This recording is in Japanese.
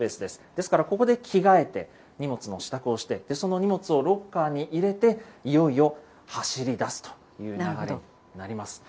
ですから、ここで着替えて、荷物の支度をして、その荷物をロッカーに入れて、いよいよ走りだすという流れになります。